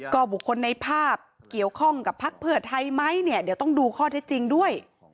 ก็บุคคลในภาพเกี่ยวข้องกับพักเพื่อไทยไหมเนี่ยเดี๋ยวต้องดูข้อเท็จจริงด้วย